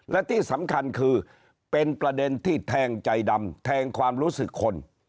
และที่สำคัญคือเป็นประเด็นที่แทงใจดำแทงความรู้สึกคน